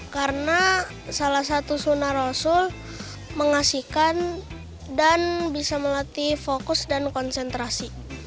karena salah satu sunah rasul mengasihkan dan bisa melatih fokus dan konsentrasi